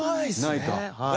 ないか。